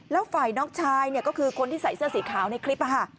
แล้วฝ่ายน้องชายเนี่ยก็คือคนที่ใส่เสื้อสีขาวในคลิป